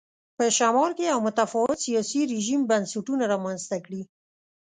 په شمال کې یو متفاوت سیاسي رژیم بنسټونه رامنځته کړي.